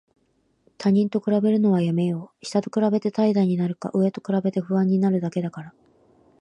他人と比べるのはやめよう。下と比べて怠惰になるか、上と比べて不安になるだけだから。